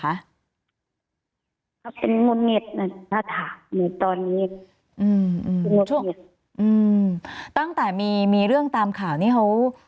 เขาเป็นมนตร์เงินตอนนี้อืมอืมตั้งแต่มีมีเรื่องตามข่าวนี้เขา